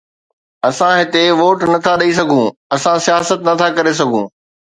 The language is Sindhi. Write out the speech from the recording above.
اسان هتي ووٽ نٿا ڏئي سگهون، اسان سياست نٿا ڪري سگهون